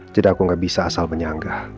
jadi aku gak bisa asal menyanggah